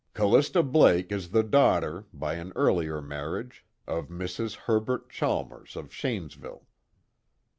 _ "Callista Blake is the daughter, by an earlier marriage, of Mrs. Herbert Chalmers of Shanesville.